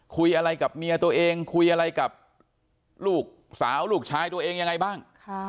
คุยอะไรกับเมียตัวเองคุยอะไรกับลูกสาวลูกชายตัวเองยังไงบ้าง